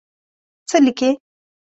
څه لیکې.